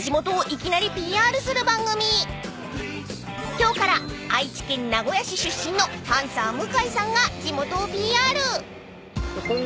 ［今日から愛知県名古屋市出身のパンサー向井さんが地元をＰＲ］